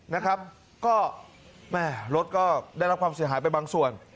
นะครับก็แม่รถก็ได้รับความเสียหายไปบางส่วน